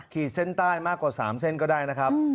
ขีดเส้นใต้มากกว่า๓เส้นก็ได้นะครับ